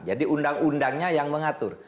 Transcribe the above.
jadi undang undangnya yang mengatur